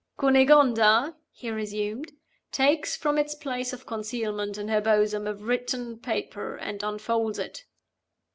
"Cunegonda," he resumed, "takes from its place of concealment in her bosom a written paper, and unfolds it.